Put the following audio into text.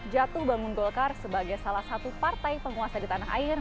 jatuh bangun golkar sebagai salah satu partai penguasa di tanah air